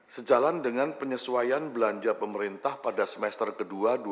sejalan dengan penyesuaian belanja pemerintah pada semester ke dua dua ribu enam belas